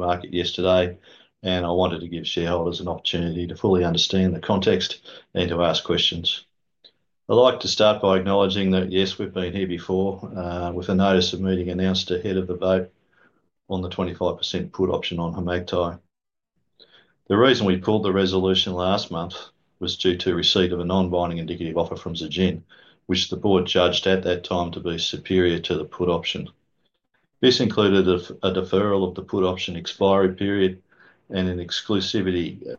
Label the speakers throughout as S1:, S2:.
S1: The market yesterday, and I wanted to give shareholders an opportunity to fully understand the context and to ask questions. I'd like to start by acknowledging that, yes, we've been here before, with a notice of meeting announced ahead of the vote on the 25% put option on Kharmagtai. The reason we pulled the resolution last month was due to receipt of a non-binding indicative offer from Zijin, which the board judged at that time to be superior to the put option. This included a deferral of the put option expiry period and an exclusivity,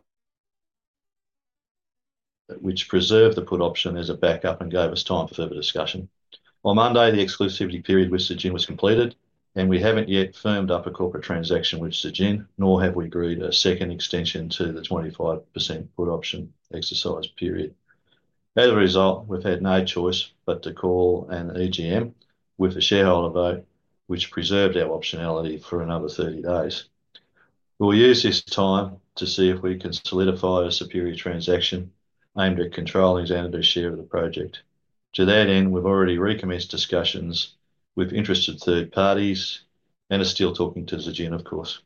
S1: which preserved the put option as a backup and gave us time for further discussion. On Monday, the exclusivity period with Zijin was completed, and we haven't yet firmed up a corporate transaction with Zijin, nor have we agreed to a second extension to the 25% put option exercise period. As a result, we've had no choice but to call an EGM with a shareholder vote, which preserved our optionality for another 30 days. We'll use this time to see if we can solidify a superior transaction aimed at controlling Xanadu's share of the project. To that end, we've already recommenced discussions with interested third parties and are still talking to Zijin, of course.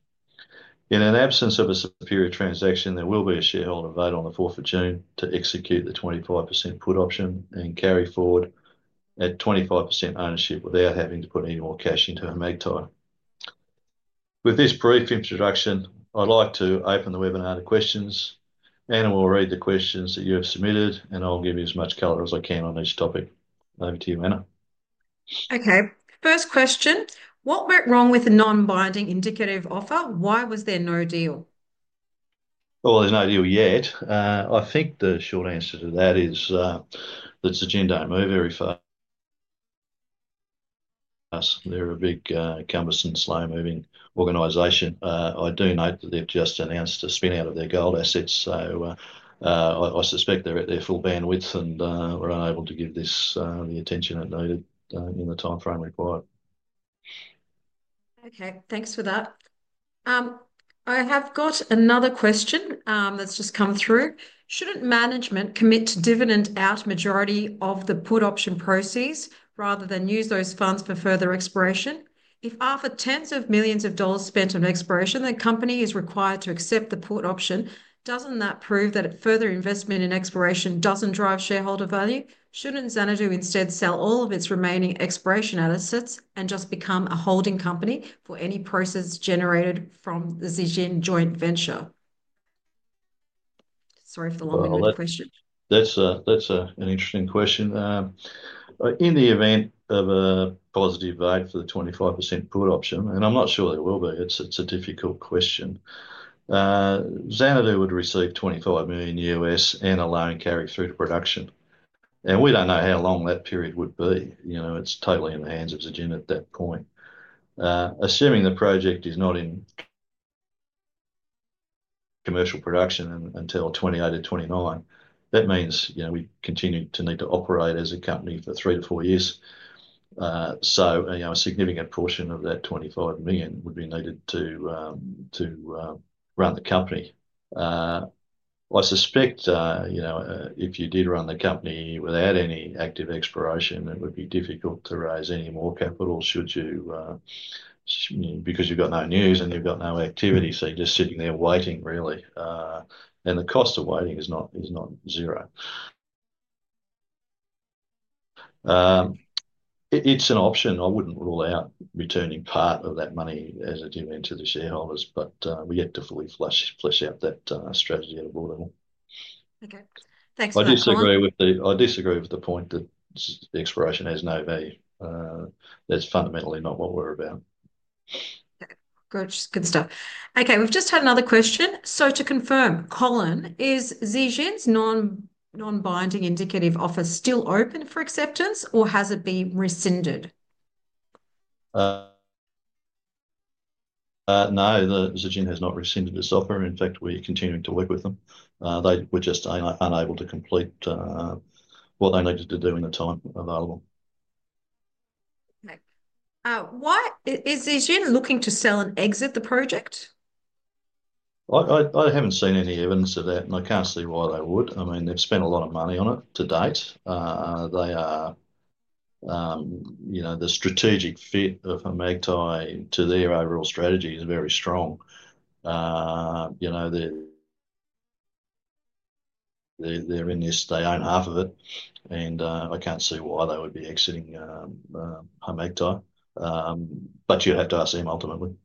S1: In an absence of a superior transaction, there will be a shareholder vote on the 4th of June to execute the 25% put option and carry forward at 25% ownership without having to put any more cash into Kharmagtai. With this brief introduction, I'd like to open the webinar to questions. Anna will read the questions that you have submitted, and I'll give you as much color as I can on each topic. Over to you, Anna.
S2: Okay. First question. What went wrong with the non-binding indicative offer? Why was there no deal?
S1: There is no deal yet. I think the short answer to that is that Zijin do not move very fast. They are a big, cumbersome, slow-moving organization. I do note that they have just announced a spin-out of their gold assets, so I suspect they are at their full bandwidth and were unable to give this the attention it needed in the timeframe required.
S2: Okay. Thanks for that. I have got another question that's just come through. Shouldn't management commit to dividend out majority of the put option proceeds rather than use those funds for further exploration? If after tens of millions of dollars spent on exploration, the company is required to accept the put option, doesn't that prove that further investment in exploration doesn't drive shareholder value? Shouldn't Xanadu instead sell all of its remaining exploration assets and just become a holding company for any proceeds generated from the Zijin joint venture? Sorry for the long-winded question.
S1: That's an interesting question. In the event of a positive vote for the 25% put option, and I'm not sure there will be, it's a difficult question. Xanadu would receive $25 million and a loan carry-through production. We don't know how long that period would be. It's totally in the hands of Zijin at that point. Assuming the project is not in commercial production until 2028 or 2029, that means we continue to need to operate as a company for three to four years. A significant portion of that 25 million would be needed to run the company. I suspect if you did run the company without any active exploration, it would be difficult to raise any more capital because you've got no news and you've got no activity. You're just sitting there waiting, really. The cost of waiting is not zero. It's an option. I wouldn't rule out returning part of that money as a dividend to the shareholders, but we have to fully flesh out that strategy at a board level.
S3: Okay. Thanks for that.
S1: I disagree with the point that expiration has no value. That's fundamentally not what we're about.
S3: Good stuff. Okay. We've just had another question. To confirm, Colin, is Zijin's non-binding indicative offer still open for acceptance, or has it been rescinded?
S1: No, Zijin has not rescinded this offer. In fact, we're continuing to work with them. They were just unable to complete what they needed to do in the time available.
S3: Okay. Is Zijin looking to sell and exit the project?
S1: I haven't seen any evidence of that, and I can't see why they would. I mean, they've spent a lot of money on it to date. The strategic fit of Kharmagtai to their overall strategy is very strong. They're in this. They own half of it, and I can't see why they would be exiting Kharmagtai. You have to ask them ultimately.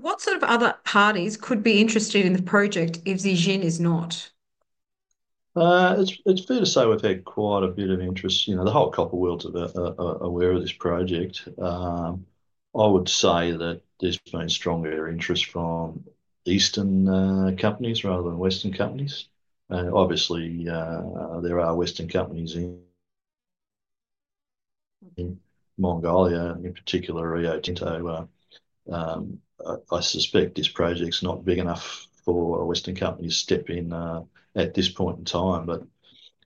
S3: What sort of other parties could be interested in the project if Zijin is not?
S1: It's fair to say we've had quite a bit of interest. The whole copper world's aware of this project. I would say that there's been stronger interest from Eastern companies rather than Western companies. Obviously, there are Western companies in Mongolia, in particular Rio Tinto. I suspect this project's not big enough for Western companies to step in at this point in time.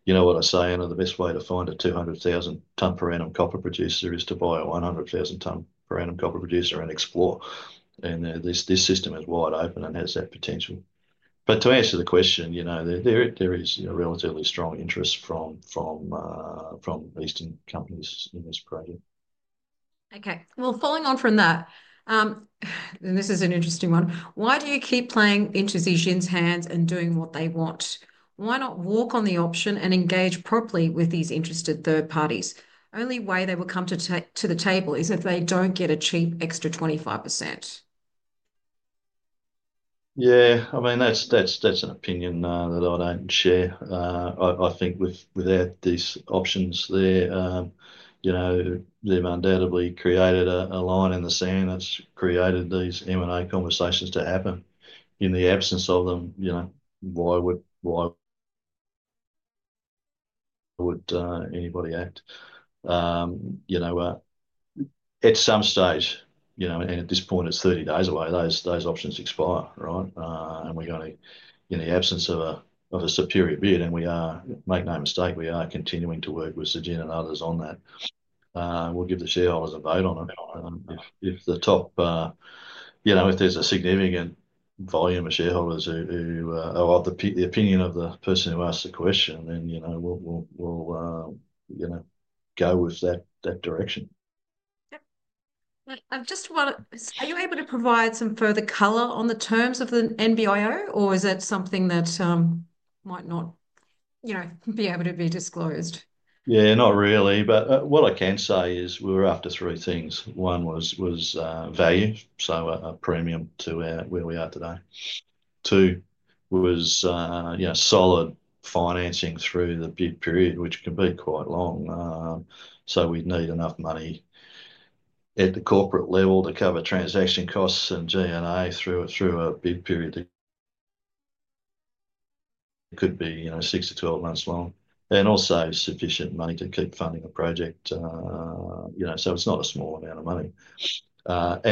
S1: You know what I say, Anna? The best way to find a 200,000-ton per annum copper producer is to buy a 100,000-ton per annum copper producer and explore. This system is wide open and has that potential. To answer the question, there is relatively strong interest from Eastern companies in this project.
S3: Okay. Following on from that, this is an interesting one. Why do you keep playing into Zijin's hands and doing what they want? Why not walk on the option and engage properly with these interested third parties? Only way they will come to the table is if they don't get a cheap extra 25%.
S1: Yeah. I mean, that's an opinion that I don't share. I think without these options, they've undoubtedly created a line in the sand that's created these M&A conversations to happen. In the absence of them, why would anybody act? At some stage, and at this point, it's 30 days away, those options expire, right? We are going to, in the absence of a superior bid, and make no mistake, we are continuing to work with Zijin and others on that. We'll give the shareholders a vote on it. If the top, if there's a significant volume of shareholders who are of the opinion of the person who asked the question, then we'll go with that direction.
S3: Yep. I just want to. Are you able to provide some further color on the terms of the NBIO, or is it something that might not be able to be disclosed?
S1: Yeah, not really. What I can say is we were after three things. One was value, so a premium to where we are today. Two was solid financing through the bid period, which can be quite long. We would need enough money at the corporate level to cover transaction costs and G&A through a bid period that could be 6-12 months long. Also, sufficient money to keep funding the project. It is not a small amount of money. We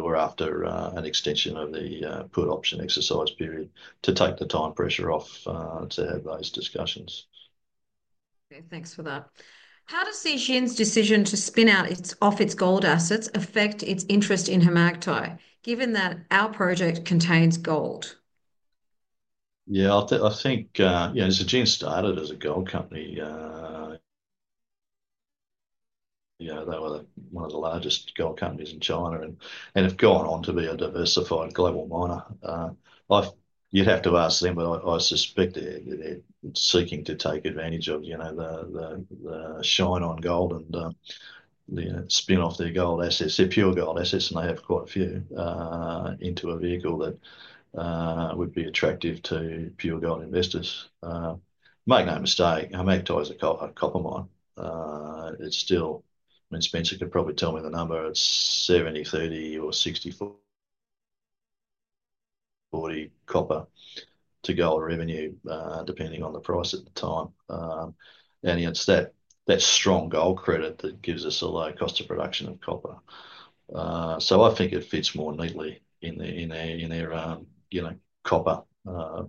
S1: were also after an extension of the put option exercise period to take the time pressure off to have those discussions.
S3: Okay. Thanks for that. How does Zijin's decision to spin out off its gold assets affect its interest in Kharmagtai, given that our project contains gold?
S1: Yeah. I think Zijin started as a gold company. They were one of the largest gold companies in China and have gone on to be a diversified global miner. You'd have to ask them, but I suspect they're seeking to take advantage of the shine on gold and spin off their gold assets, their pure gold assets, and they have quite a few into a vehicle that would be attractive to pure gold investors. Make no mistake, Kharmagtai is a copper mine. It's still, I mean, Spencer could probably tell me the number, it's 70-30 or 60-40 copper to gold revenue, depending on the price at the time. And it's that strong gold credit that gives us a low cost of production of copper. I think it fits more neatly in their copper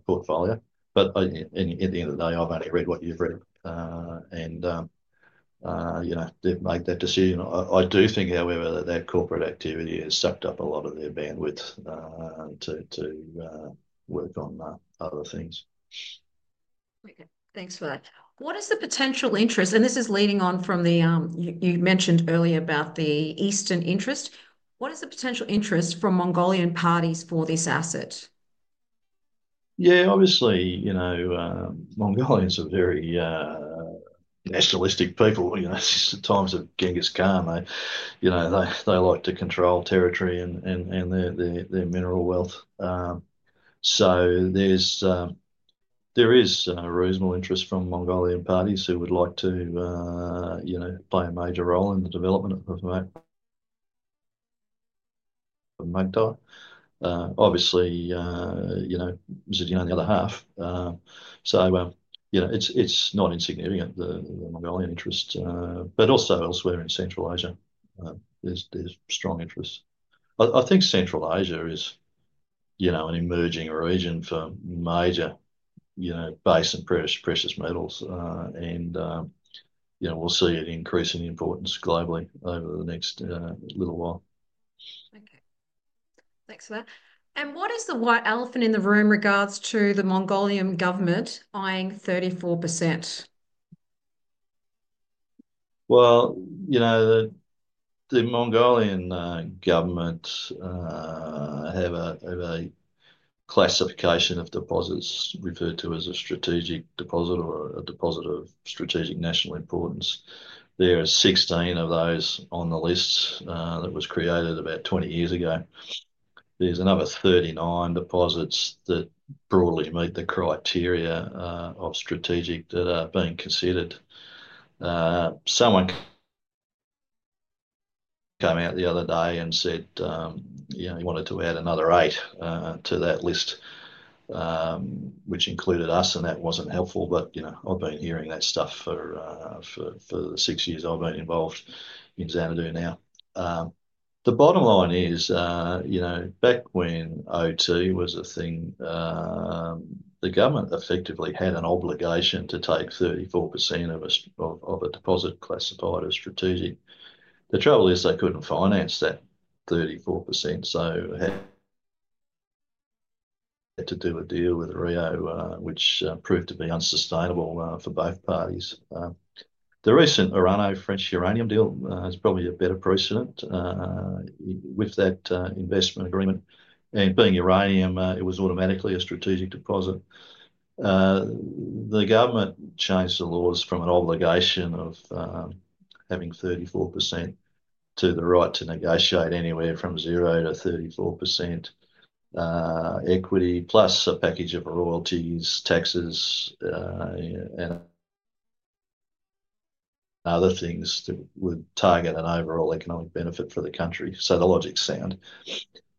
S1: portfolio. At the end of the day, I've only read what you've read, and they've made that decision. I do think, however, that that corporate activity has sucked up a lot of their bandwidth to work on other things.
S3: Okay. Thanks for that. What is the potential interest? This is leading on from the you mentioned earlier about the Eastern interest. What is the potential interest from Mongolian parties for this asset?
S1: Yeah. Obviously, Mongolians are very nationalistic people. It's the times of Genghis Khan. They like to control territory and their mineral wealth. There is a reasonable interest from Mongolian parties who would like to play a major role in the development of Kharmagtai. Obviously, Zijin is the other half. It is not insignificant, the Mongolian interest. Also elsewhere in Central Asia, there is strong interest. I think Central Asia is an emerging region for major base and precious metals. We will see it increase in importance globally over the next little while.
S3: Okay. Thanks for that. What is the white elephant in the room in regards to the Mongolian government eyeing 34%?
S1: The Mongolian government have a classification of deposits referred to as a strategic deposit or a deposit of strategic national importance. There are 16 of those on the list that was created about 20 years ago. There are another 39 deposits that broadly meet the criteria of strategic that are being considered. Someone came out the other day and said he wanted to add another eight to that list, which included us, and that was not helpful. I have been hearing that stuff for the six years I have been involved in Xanadu now. The bottom line is back when OT was a thing, the government effectively had an obligation to take 34% of a deposit classified as strategic. The trouble is they could not finance that 34%, so had to do a deal with Rio, which proved to be unsustainable for both parties. The recent Orano-French uranium deal is probably a better precedent with that investment agreement. Being uranium, it was automatically a strategic deposit. The government changed the laws from an obligation of having 34% to the right to negotiate anywhere from 0-34% equity, plus a package of royalties, taxes, and other things that would target an overall economic benefit for the country. The logic's sound.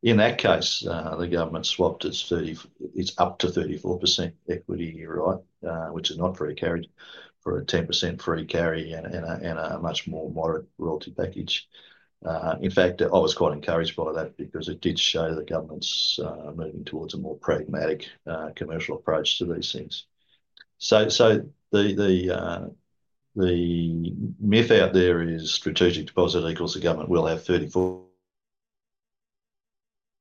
S1: In that case, the government swapped its up to 34% equity right, which is not free carried, for a 10% free carry and a much more moderate royalty package. In fact, I was quite encouraged by that because it did show the government's moving towards a more pragmatic commercial approach to these things. The myth out there is strategic deposit equals the government will have 34%,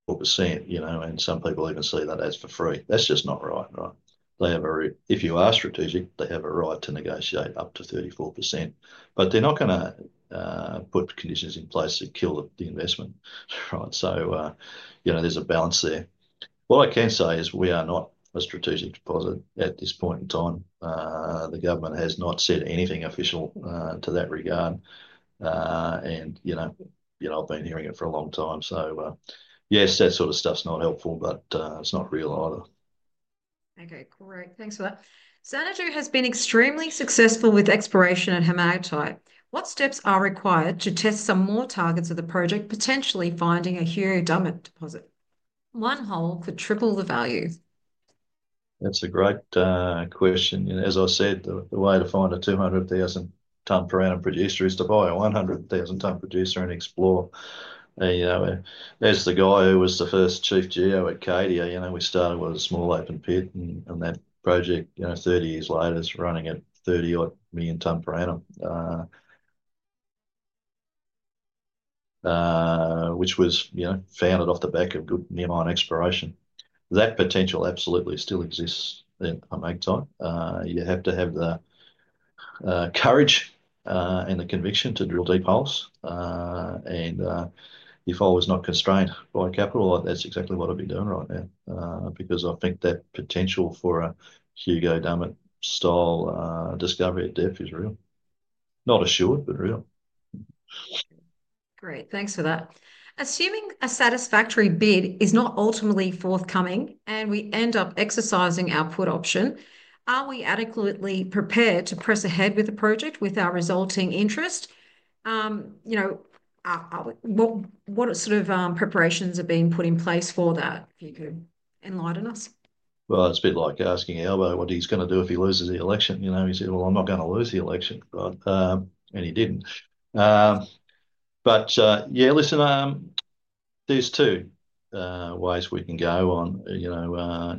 S1: and some people even say that that's for free. That's just not right. If you are strategic, they have a right to negotiate up to 34%. They are not going to put conditions in place that kill the investment. There is a balance there. What I can say is we are not a strategic deposit at this point in time. The government has not said anything official to that regard. I have been hearing it for a long time. Yes, that sort of stuff is not helpful, but it is not real either.
S3: Okay. Great. Thanks for that. Xanadu has been extremely successful with exploration at Kharmagtai. What steps are required to test some more targets of the project, potentially finding a helios dumit deposit? One hole could triple the value.
S1: That's a great question. As I said, the way to find a 200,000-ton per annum producer is to buy a 100,000-ton producer and explore. As the guy who was the first chief geo at Cadia, we started with a small open pit, and that project, 30 years later, is running at 30 million ton per annum, which was founded off the back of good near-mine exploration. That potential absolutely still exists in Kharmagtai. You have to have the courage and the conviction to drill deep holes. If I was not constrained by capital, that's exactly what I'd be doing right now because I think that potential for a Heliadomite-style discovery at depth is real. Not assured, but real.
S3: Great. Thanks for that. Assuming a satisfactory bid is not ultimately forthcoming and we end up exercising our put option, are we adequately prepared to press ahead with the project with our resulting interest? What sort of preparations are being put in place for that, if you could enlighten us?
S1: It's a bit like asking Albo what he's going to do if he loses the election. He said, "Well, I'm not going to lose the election," and he didn't. Yeah, listen, there are two ways we can go on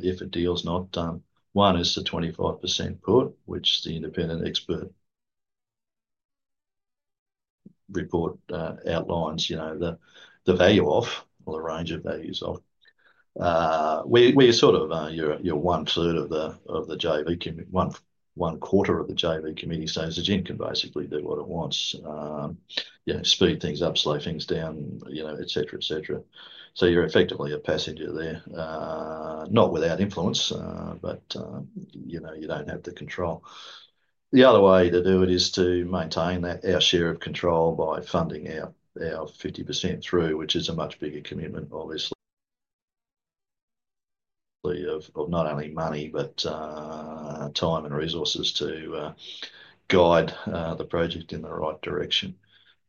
S1: if a deal's not done. One is the 25% put, which the independent expert report outlines the value of, or the range of values of. We're sort of your one third of the JV. One quarter of the JV committee says Zijin can basically do what it wants, speed things up, slow things down, etc., etc. You're effectively a passenger there, not without influence, but you don't have the control. The other way to do it is to maintain our share of control by funding our 50% through, which is a much bigger commitment, obviously, of not only money but time and resources to guide the project in the right direction.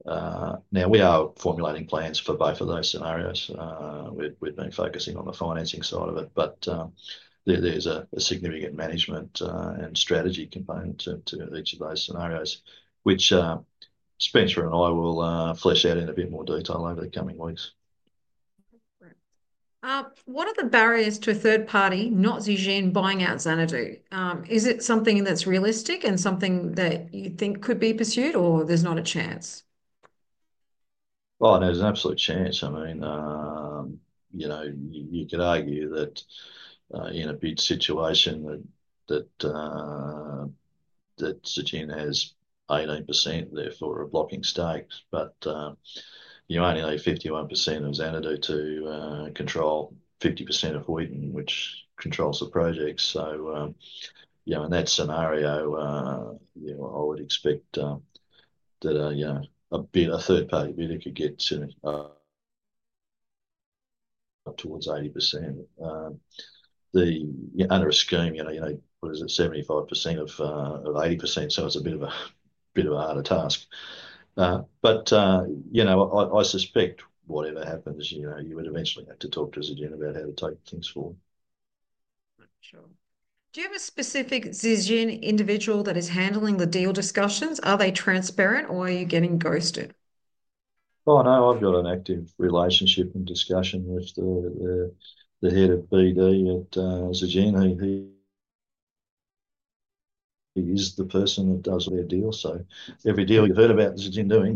S1: Now, we are formulating plans for both of those scenarios. We've been focusing on the financing side of it, but there's a significant management and strategy component to each of those scenarios, which Spencer and I will flesh out in a bit more detail over the coming weeks.
S3: Okay. Great. What are the barriers to a third party, not Zijin, buying out Xanadu? Is it something that's realistic and something that you think could be pursued, or there's not a chance?
S1: There's an absolute chance. I mean, you could argue that in a bid situation that Zijin has 18%, therefore, a blocking stake, but you only need 51% of Xanadu to control 50% of Wheaton, which controls the project. In that scenario, I would expect that a third-party bidder could get towards 80%. Under a scheme, what is it, 75% of 80%? It's a bit of a harder task. I suspect whatever happens, you would eventually have to talk to Zijin about how to take things forward.
S3: Sure. Do you have a specific Zijin individual that is handling the deal discussions? Are they transparent, or are you getting ghosted?
S1: I have got an active relationship and discussion with the head of BD at Zijin. He is the person that does their deal. So every deal you have heard about Zijin doing,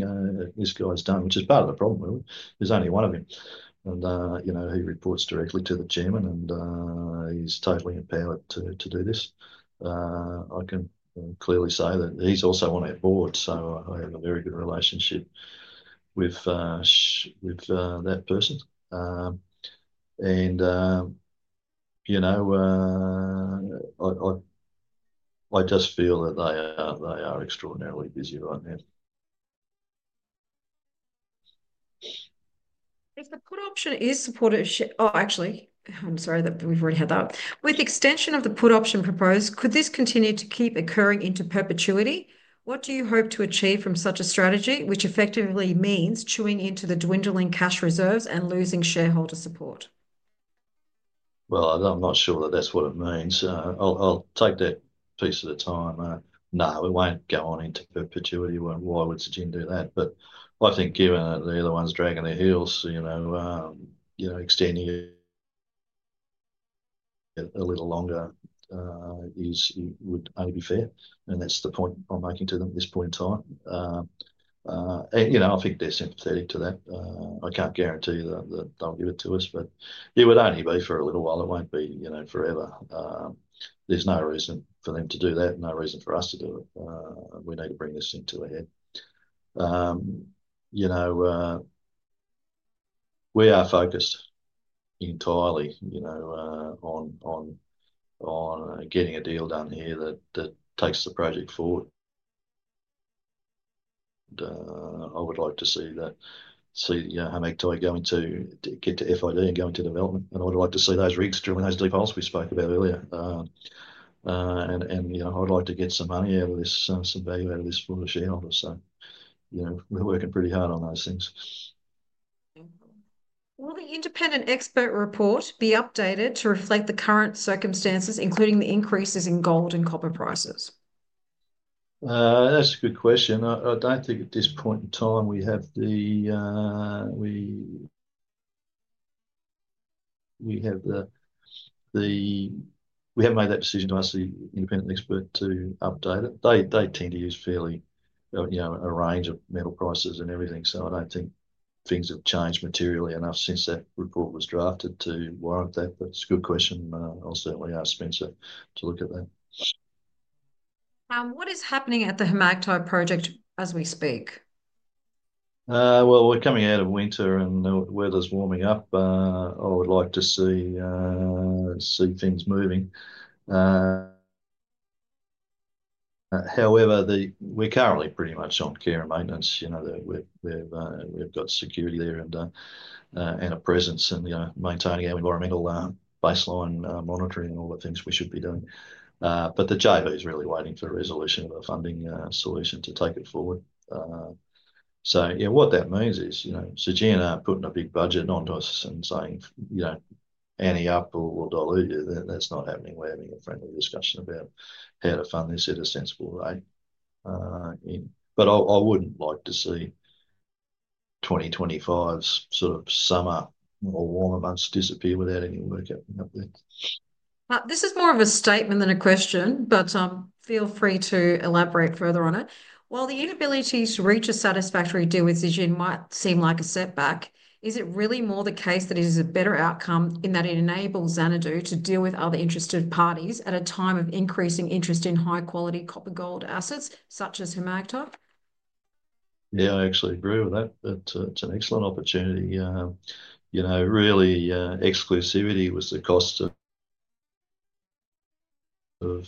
S1: this guy has done, which is part of the problem. There is only one of them. He reports directly to the chairman, and he is totally empowered to do this. I can clearly say that he is also on our board, so I have a very good relationship with that person. I just feel that they are extraordinarily busy right now.
S3: If the put option is supported—oh, actually, I'm sorry that we've already had that. With extension of the put option proposed, could this continue to keep occurring into perpetuity? What do you hope to achieve from such a strategy, which effectively means chewing into the dwindling cash reserves and losing shareholder support?
S1: I'm not sure that that's what it means. I'll take that piece at a time. No, we won't go on into perpetuity. Why would Zijin do that? I think given that they're the ones dragging their heels, extending it a little longer would only be fair. That's the point I'm making to them at this point in time. I think they're sympathetic to that. I can't guarantee that they'll give it to us, but it would only be for a little while. It won't be forever. There's no reason for them to do that, no reason for us to do it. We need to bring this thing to a head. We are focused entirely on getting a deal done here that takes the project forward. I would like to see Kharmagtai get to FID and go into development. I would like to see those rigs drilling those deep holes we spoke about earlier. I'd like to get some money out of this, some value out of this for the shareholders. We are working pretty hard on those things.
S3: Okay. Will the independent expert report be updated to reflect the current circumstances, including the increases in gold and copper prices?
S1: That's a good question. I don't think at this point in time we have made that decision to ask the independent expert to update it. They tend to use fairly a range of metal prices and everything. I don't think things have changed materially enough since that report was drafted to warrant that. It's a good question. I'll certainly ask Spencer to look at that.
S3: What is happening at the Kharmagtai project as we speak?
S1: We're coming out of winter, and the weather's warming up. I would like to see things moving. However, we're currently pretty much on care and maintenance. We've got security there and a presence and maintaining our environmental baseline monitoring and all the things we should be doing. The JV is really waiting for resolution of the funding solution to take it forward. What that means is Zijin are putting a big budget onto us and saying, "Any up, we'll dilute you." That's not happening. We're having a friendly discussion about how to fund this at a sensible rate. I wouldn't like to see 2025's sort of summer or warmer months disappear without any work happening up there.
S3: This is more of a statement than a question, but feel free to elaborate further on it. While the inability to reach a satisfactory deal with Zijin might seem like a setback, is it really more the case that it is a better outcome in that it enables Xanadu to deal with other interested parties at a time of increasing interest in high-quality copper-gold assets such as Kharmagtai?
S1: Yeah, I actually agree with that. It's an excellent opportunity. Really, exclusivity was the cost of,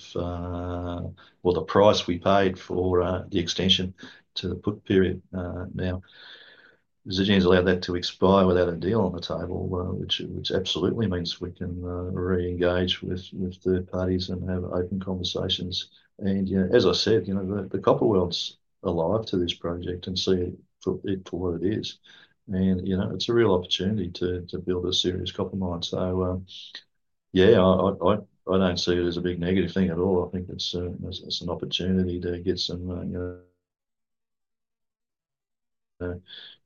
S1: well, the price we paid for the extension to the put period now. Zijin's allowed that to expire without a deal on the table, which absolutely means we can re-engage with third parties and have open conversations. As I said, the copper world's alive to this project and see it for what it is. It's a real opportunity to build a serious copper mine. Yeah, I don't see it as a big negative thing at all. I think it's an opportunity to get some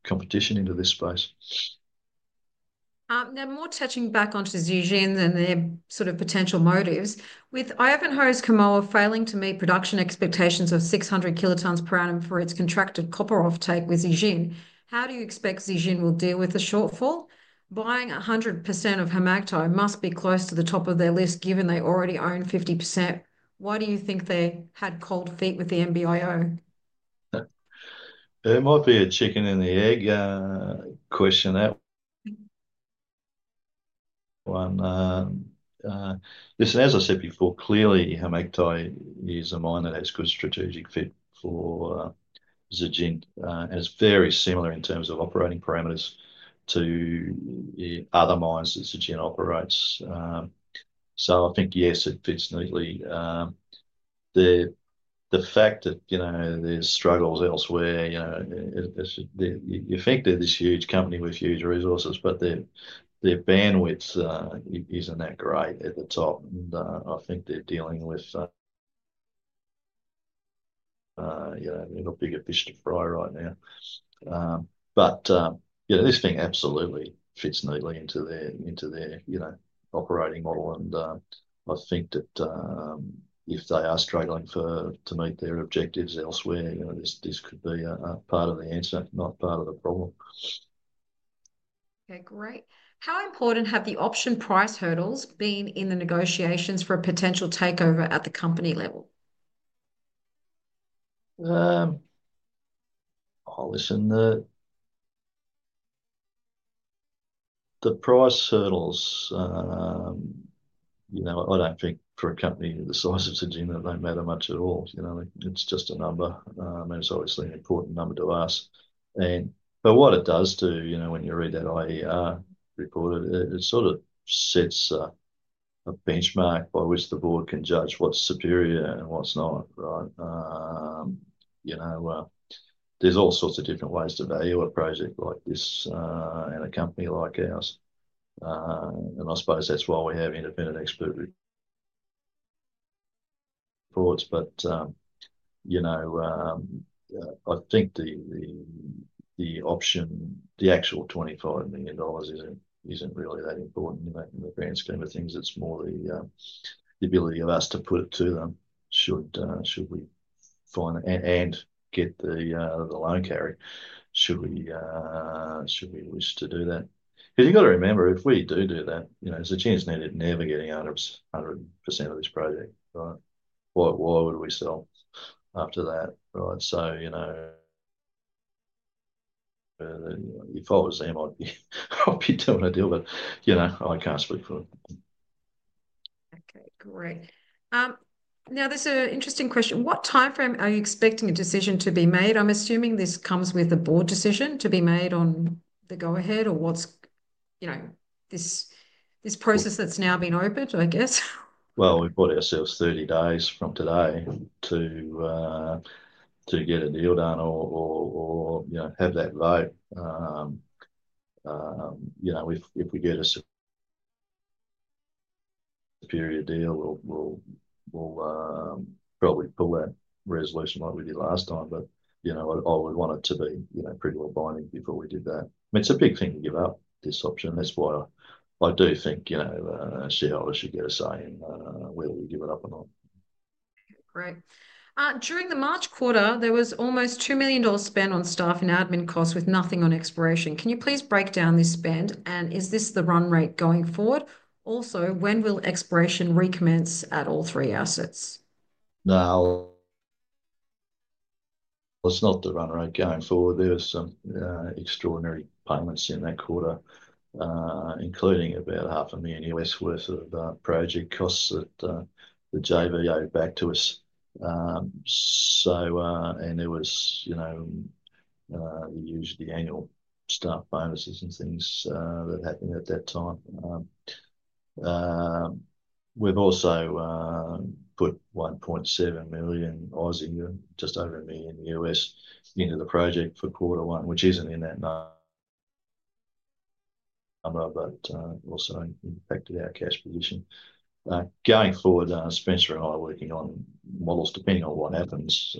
S1: competition into this space.
S3: Now, more touching back onto Zijin and their sort of potential motives. With Ivanhoe's Kamoa failing to meet production expectations of 600 kilotons per annum for its contracted copper offtake with Zijin, how do you expect Zijin will deal with the shortfall? Buying 100% of Kharmagtai must be close to the top of their list, given they already own 50%. Why do you think they had cold feet with the MBO?
S1: It might be a chicken and the egg question that one. Listen, as I said before, clearly, Kharmagtai is a mine that has a good strategic fit for Zijin. It's very similar in terms of operating parameters to other mines that Zijin operates. I think, yes, it fits neatly. The fact that there's struggles elsewhere, you think they're this huge company with huge resources, but their bandwidth isn't that great at the top. I think they're dealing with a bigger fish to fry right now. This thing absolutely fits neatly into their operating model. I think that if they are struggling to meet their objectives elsewhere, this could be part of the answer, not part of the problem.
S3: Okay. Great. How important have the option price hurdles been in the negotiations for a potential takeover at the company level?
S1: Oh, listen, the price hurdles, I do not think for a company the size of Zijin, they matter much at all. It is just a number. I mean, it is obviously an important number to us. What it does do when you read that IER report, it sort of sets a benchmark by which the board can judge what is superior and what is not, right? There are all sorts of different ways to value a project like this at a company like ours. I suppose that is why we have independent expert reports. I think the option, the actual 25 million dollars, is not really that important in the grand scheme of things. It is more the ability of us to put it to them. Should we find and get the loan carry? Should we wish to do that? Because you've got to remember, if we do do that, Zijin's never getting 100% of this project, right? Why would we sell after that, right? So if I was there, I'd be doing a deal, but I can't speak for it.
S3: Okay. Great. Now, there's an interesting question. What timeframe are you expecting a decision to be made? I'm assuming this comes with a board decision to be made on the go-ahead or this process that's now been opened, I guess.
S1: We have got ourselves 30 days from today to get a deal done or have that vote. If we get a superior deal, we will probably pull that resolution like we did last time. I would want it to be pretty well-binding before we do that. I mean, it is a big thing to give up this option. That is why I do think shareholders should get a say in whether we give it up or not.
S3: Okay. Great. During the March quarter, there was almost 2 million dollars spent on staff and admin costs with nothing on exploration. Can you please break down this spend? Is this the run rate going forward? Also, when will exploration recommence at all three assets?
S1: No. It's not the run rate going forward. There were some extraordinary payments in that quarter, including about $500,000 worth of project costs that the JV owed back to us. There was usually the annual staff bonuses and things that happened at that time. We've also put 1.7 million in, just over $1 million, into the project for quarter one, which isn't in that number, but also impacted our cash position. Going forward, Spencer and I are working on models, depending on what happens,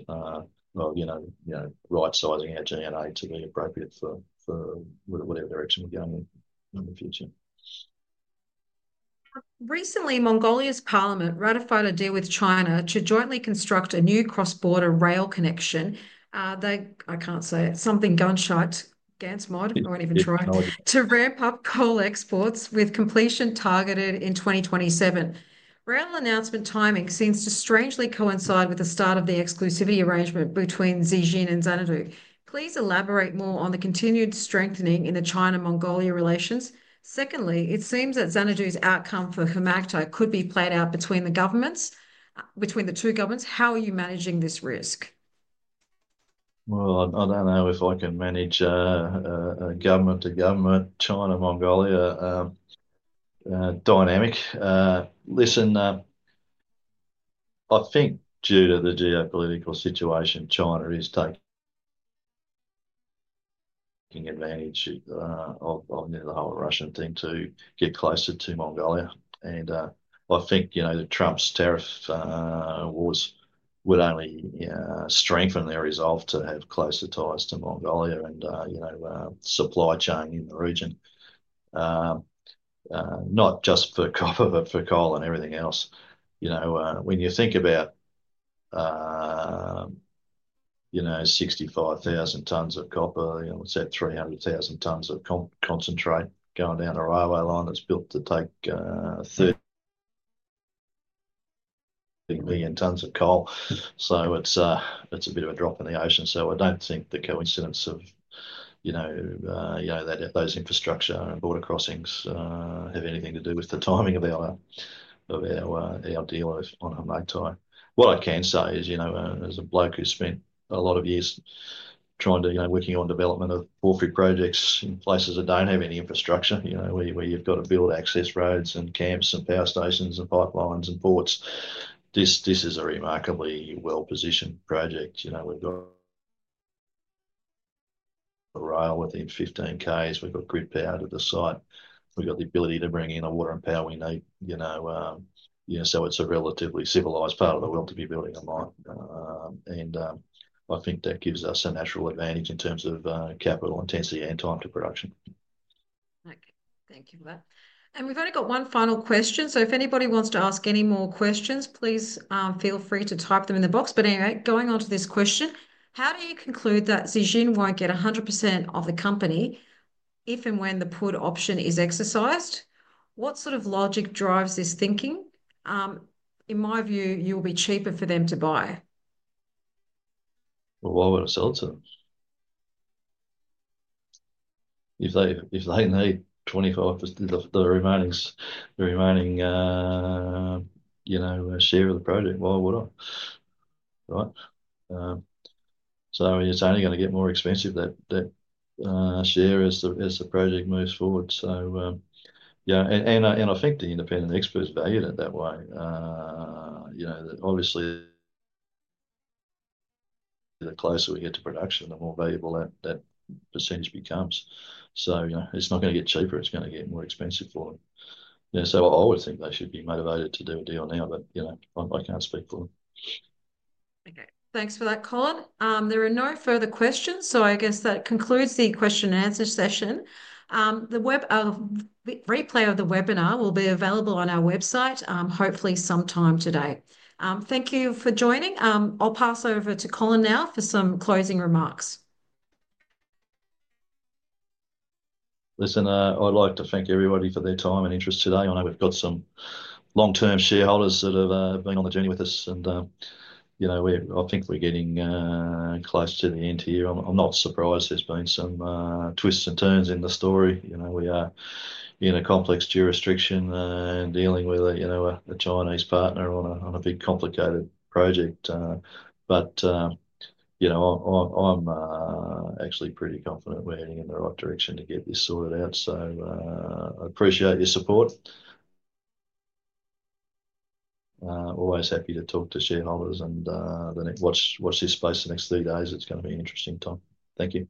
S1: right-sizing our G&A to be appropriate for whatever direction we're going in the future.
S3: Recently, Mongolia's parliament ratified a deal with China to jointly construct a new cross-border rail connection. I can't say it. Something Gunshot Gantsmod. I won't even try it. To ramp up coal exports with completion targeted in 2027. Rail announcement timing seems to strangely coincide with the start of the exclusivity arrangement between Zijin and Xanadu. Please elaborate more on the continued strengthening in the China-Mongolia relations. Secondly, it seems that Xanadu's outcome for Kharmagtai could be played out between the two governments. How are you managing this risk?
S1: I don't know if I can manage a government-to-government China-Mongolia dynamic. Listen, I think due to the geopolitical situation, China is taking advantage of the whole Russian thing to get closer to Mongolia. I think Trump's tariff wars would only strengthen their resolve to have closer ties to Mongolia and supply chain in the region, not just for copper, but for coal and everything else. When you think about 65,000 tons of copper, it's at 300,000 tons of concentrate going down a railway line that's built to take 30 million tons of coal. It's a bit of a drop in the ocean. I don't think the coincidence of those infrastructure and border crossings have anything to do with the timing of our deal on Kharmagtai. What I can say is, as a bloke who's spent a lot of years working on development of porphyry projects in places that don't have any infrastructure, where you've got to build access roads and camps and power stations and pipelines and ports, this is a remarkably well-positioned project. We've got rail within 15 km. We've got grid power to the site. We've got the ability to bring in the water and power we need. It is a relatively civilised part of the world to be building a mine. I think that gives us a natural advantage in terms of capital intensity and time to production.
S3: Okay. Thank you for that. We've only got one final question. If anybody wants to ask any more questions, please feel free to type them in the box. Anyway, going on to this question, how do you conclude that Zijin won't get 100% of the company if and when the put option is exercised? What sort of logic drives this thinking? In my view, it'll be cheaper for them to buy.
S1: Why would I sell to them? If they need 25% of the remaining share of the project, why would I? It is only going to get more expensive, that share, as the project moves forward. I think the independent expert valued it that way. Obviously, the closer we get to production, the more valuable that percentage becomes. It is not going to get cheaper. It is going to get more expensive for them. I would think they should be motivated to do a deal now, but I cannot speak for them.
S3: Okay. Thanks for that, Colin. There are no further questions, so I guess that concludes the question-and-answer session. The replay of the webinar will be available on our website, hopefully sometime today. Thank you for joining. I'll pass over to Colin now for some closing remarks.
S1: Listen, I'd like to thank everybody for their time and interest today. I know we've got some long-term shareholders that have been on the journey with us. I think we're getting close to the end here. I'm not surprised. There's been some twists and turns in the story. We are in a complex jurisdiction and dealing with a Chinese partner on a big, complicated project. I'm actually pretty confident we're heading in the right direction to get this sorted out. I appreciate your support. Always happy to talk to shareholders. Watch this space the next three days. It's going to be an interesting time. Thank you.